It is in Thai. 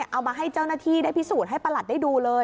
เอามาให้เจ้าหน้าที่ได้พิสูจน์ให้ประหลัดได้ดูเลย